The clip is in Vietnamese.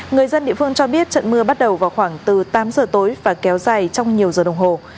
người dân địa phương cho biết trận mưa bắt đầu vào khoảng từ tám giờ tối và kéo dài trong nhiều giờ đồng hồ